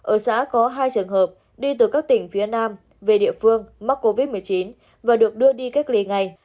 ở xã có hai trường hợp đi từ các tỉnh phía nam về địa phương mắc covid một mươi chín và được đưa đi cách ly ngay